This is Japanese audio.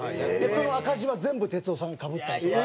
その赤字は全部哲夫さんがかぶったりとか。